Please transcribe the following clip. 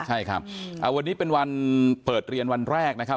ใช่ครับวันนี้เป็นวันเปิดเรียนวันแรกนะครับ